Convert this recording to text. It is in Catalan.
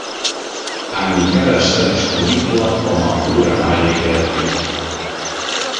Encara està disponible com a programari gratuït.